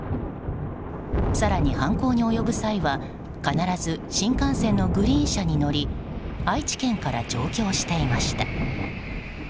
更に犯行に及ぶ際は必ず新幹線のグリーン車に乗り愛知県から上京していました。